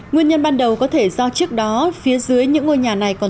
nguyên nhân ban đầu có thể do trước đó